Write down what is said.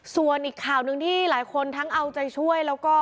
ส่วนอีกข่าวหนึ่งที่หลายคนทั้งเอาใจช่วยแล้วก็